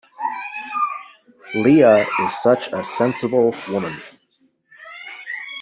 Lia is such a sensible woman.